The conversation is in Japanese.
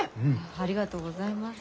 ありがとうございます。